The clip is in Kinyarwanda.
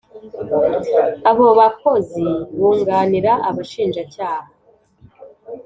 Abo bakozi bunganira Abashinjacyaha